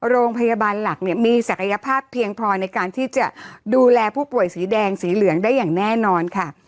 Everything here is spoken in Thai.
โรงพยาบาลหลักเนี่ยมีศักยภาพเพียงพอในการที่จะดูแลผู้ป่วยสีแดงสีเหลืองได้อย่างแน่นอนค่ะ